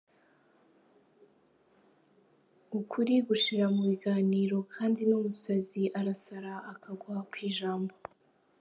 Ukuri gushirira mu biganiro, kandi n’umusazi arasara akagwa ku ijambo.